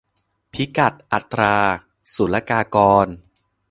พิกัดอัตราศุลกากร